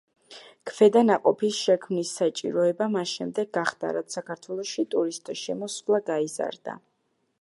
ქვედანაყოფის შექმნის საჭიროება მას შემდეგ გახდა, რაც საქართველოში ტურისტთა შემოსვლა გაიზარდა.